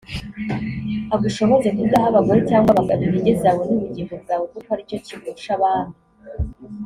agushoboze kudaha abagore cyangwa abagabo intege zawe n’ubugingo bwawe kuko ari cyo kigusha abami